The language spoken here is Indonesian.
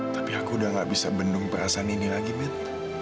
tapi aku udah gak bisa bendung perasaan ini lagi mit